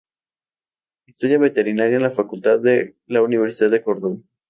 Estudia Veterinaria en la facultad de la Universidad de Córdoba.